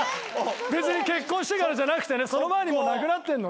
別に結婚してからじゃなくてねその前にもうなくなってんのね。